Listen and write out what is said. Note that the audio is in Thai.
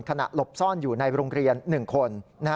หลบซ่อนอยู่ในโรงเรียน๑คน